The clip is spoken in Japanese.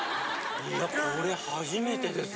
いやこれ初めてです。